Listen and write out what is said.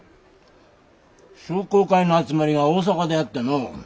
商工会の集まりが大阪であってのう。